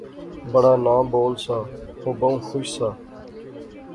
بڑا ناں بول سا او بہوں خوش سا